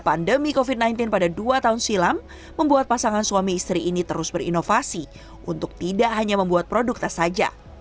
pandemi covid sembilan belas pada dua tahun silam membuat pasangan suami istri ini terus berinovasi untuk tidak hanya membuat produk tas saja